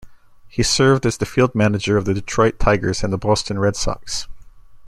He served as the field manager of the Detroit Tigers and Boston Red Sox.